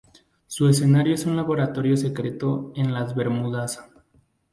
Su escenario es un laboratorio secreto en las Bermudas.